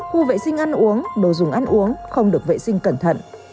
khu vệ sinh ăn uống đồ dùng ăn uống không được vệ sinh cẩn thận